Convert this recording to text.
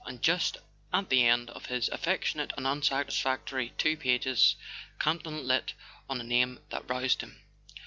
And just at the end of his affectionate and unsatisfactory two pages, Campton lit on a name that roused him.